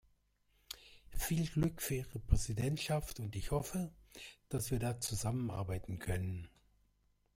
Viel Glück für Ihre Präsidentschaft, und ich hoffe, dass wir da zusammenarbeiten können.